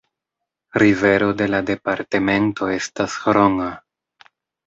Rivero de la departemento estas Hron.